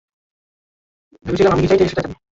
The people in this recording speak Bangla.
ভেবেছিলাম, আমি কি চাই সেটা জানি!